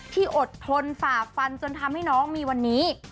ที่อดทนฝ่าฟันจนทำให้น้องมีวันนี้